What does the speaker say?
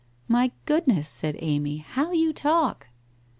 ' My goodness !' said Amy. ' How you talk